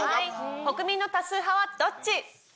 国民の多数派はどっち？